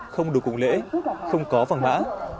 không đủ cùng lễ không có phẳng mã